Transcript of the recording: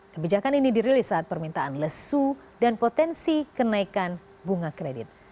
kebijakan ini dirilis saat permintaan lesu dan potensi kenaikan bunga kredit